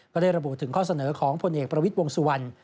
ก็ได้ระบุถึงข้อเสนอของพลเอกประวิทย์วงสุวรรณ